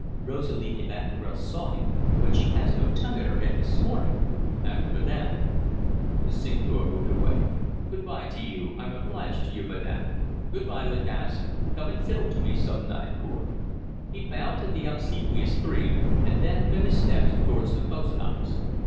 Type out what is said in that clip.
Rosalie Evanturel saw him, but she has no tongue in her head this morning," added Madame. The Seigneur moved away. "Good bye to you I am obliged to you, Madame. Good bye, Lacasse. Come and fiddle to me some night, Cour." He bowed to the obsequious three, and then bent his steps towards the post office.